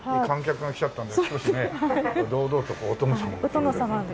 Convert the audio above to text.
お殿様で。